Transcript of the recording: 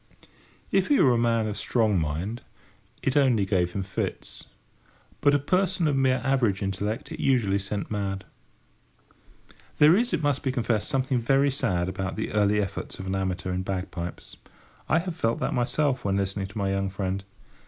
If he were a man of strong mind, it only gave him fits; but a person of mere average intellect it usually sent mad. There is, it must be confessed, something very sad about the early efforts of an amateur in bagpipes. I have felt that myself when listening to my young friend.